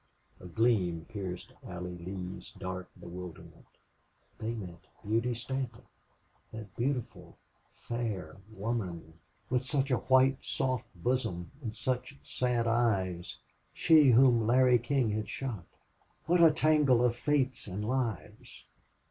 A gleam pierced Allie Lee's dark bewilderment. They meant Beauty Stanton, that beautiful, fair woman with such a white, soft bosom and such sad eyes she whom Larry King had shot. What a tangle of fates and lives!